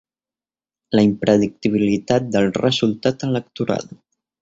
La impredictibilitat del resultat electoral.